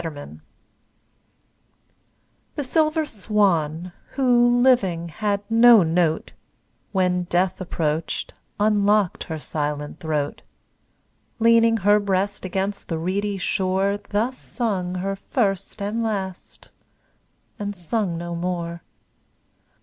6 Autoplay The silver swan, who living had no note, When death approach'd, unlock'd her silent throat; Leaning her breast against the reedy shore, Thus sung her first and last, and sung no more.